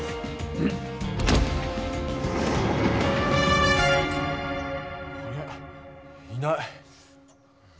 うん。あれ？いない。